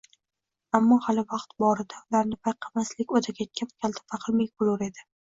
Ammo hali vaqt borida ularni payqamaslik o‘taketgan kaltafahmlik bo‘lur edi